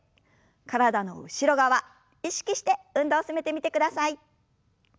体の後ろ側意識して運動を進めてみてください。